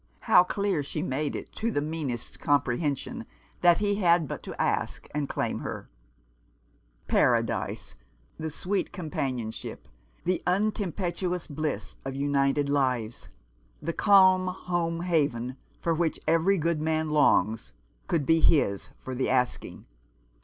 How clear she made it to the meanest compre hension that he had but to ask and claim her ! Paradise — the sweet companionship, the untem pestuous bliss of united lives, the calm home haven for which every good man longs, could be his for the asking.